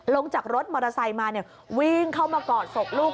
ลงจากรถมอเตอร์ไซค์มาวิ่งเข้ามากอดศพลูก